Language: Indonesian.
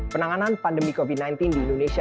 penanganan pandemi covid sembilan belas di indonesia